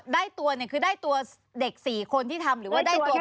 ตัวเนี่ยคือได้ตัวเด็ก๔คนที่ทำหรือว่าได้ตัว